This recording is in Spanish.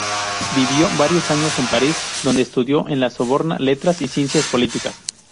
Vivió varios años en París, donde estudió en la Sorbona Letras y Ciencias Políticas.